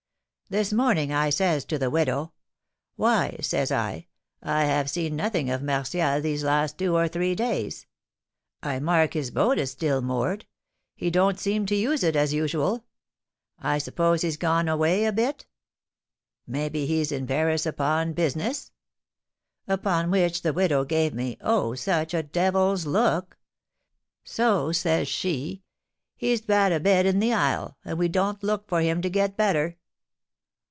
This morning I says to the widow,'Why,' says I,'I have seen nothing of Martial these last two or three days. I mark his boat is still moored, he don't seem to use it as usual; I suppose he's gone away a bit? Maybe he's in Paris upon his business?' Upon which the widow gave me, oh, such a devil's look! So says she,'He's bad a bed in the isle, and we don't look for him to get better!'